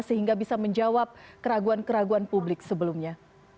sehingga bisa menjawab keraguan keraguan publik sebelumnya